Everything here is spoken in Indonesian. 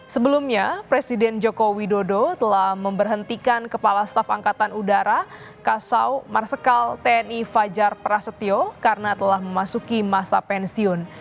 sebelumnya presiden joko widodo telah memberhentikan kepala staf angkatan udara kasau marsikal tni fajar prasetyo karena telah memasuki masa pensiun